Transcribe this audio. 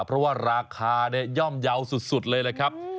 เพราะว่าราคาย่อมเยาว์สุดเลยนะครับ